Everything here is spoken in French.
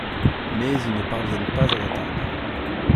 Mais ils ne parviennent pas à l'atteindre.